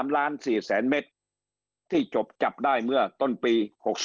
๓ล้าน๔แสนเมตรที่จบจับได้เมื่อต้นปี๖๔